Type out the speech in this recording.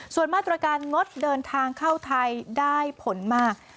ส่วนมาตรการงดเดินทางเข้าไทยได้ผลมาก